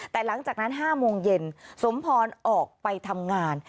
แต่หลังจากนั้น๕โมงเย็นสมพรออกไปทำงาน